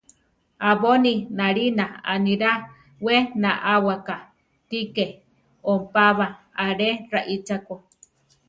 Abóni nalína anirá; we naʼáwaka ti ke ompába ale raíchako.